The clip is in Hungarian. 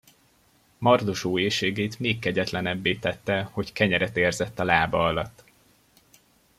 Mardosó éhségét még kegyetlenebbé tette, hogy kenyeret érzett a lába alatt.